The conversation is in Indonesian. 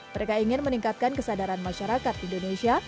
mereka ingin meningkatkan kesadaran masyarakat indonesia